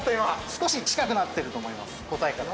少し近くなってると思います答えから。